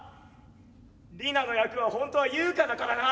リナの役は本当はユウカだからな。